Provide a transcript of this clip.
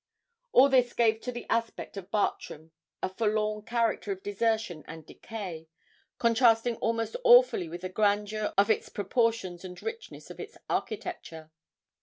All this gave to the aspect of Bartram a forlorn character of desertion and decay, contrasting almost awfully with the grandeur of its proportions and richness of its architecture.